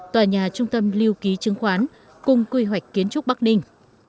tòa nhà trung tâm lưu ký chứng khoán cùng quy hoạch kiến trúc bắc ninh